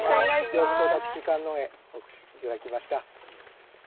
ようこそ立木観音へお越し頂きました。